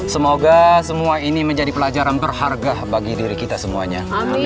semoga semua ini menjadi pelajaran berharga bagi diri kita semuanya